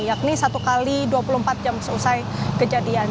yakni satu x dua puluh empat jam selesai kejadian